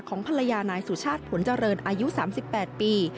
ภรรยานายสุชาติผลเจริญอายุ๓๘ปี